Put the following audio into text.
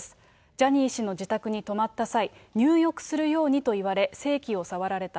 ジャニー氏の自宅に泊まった際、入浴するようにと言われ、性器を触られた。